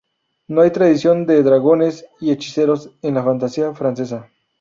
No hay tradición de "dragones y hechiceros" en la fantasía francesa.